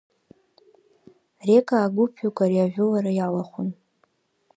Рекаа гәыԥҩык ари ажәылара иалахәын.